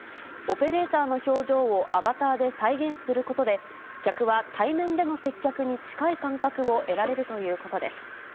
オペレーターの表情をアバターで再現することで、客は対面での接客に近い感覚を得られるということです。